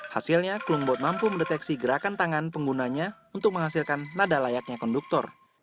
hasilnya klumbot mampu mendeteksi gerakan tangan penggunanya untuk menghasilkan nada layaknya konduktor